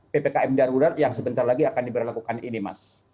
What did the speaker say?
ppkm darurat yang sebentar lagi akan diberlakukan ini mas